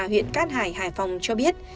huyện cát hải hải phòng cho biết